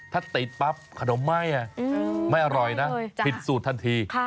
ถ้าติดปั๊บขนมไหม้ไม่อร่อยนะผิดสูตรทันที